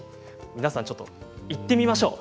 皆さんちょっと言ってみましょう。